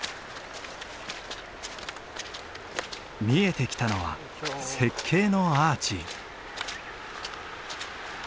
見えてきたのは雪渓のアーチ。